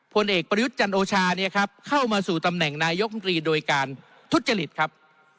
ผลเอกประยุทธ์จันโอชาเนี่ยครับเข้ามาสู่ตำแหน่งนายกรรมตรีโดยการทุจริตครับ